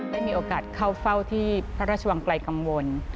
ได้มีโอกาสเข้าเฝ้าที่พระราชวังไกลกังวล